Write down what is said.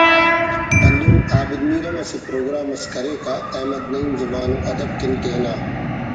ہندن عابد میر ہم اسہ پروگرام اس کریکہ احمد نعیم زبان و ادب کن تینا